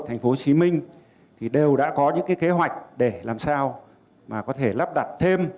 thành phố hồ chí minh thì đều đã có những cái kế hoạch để làm sao mà có thể lắp đặt thêm